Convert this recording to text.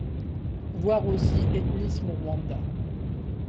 Voir aussi ethnisme au Rwanda.